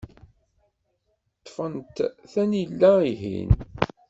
Ṭṭfent tanila-ihin.